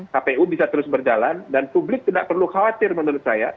kpu bisa terus berjalan dan publik tidak perlu khawatir menurut saya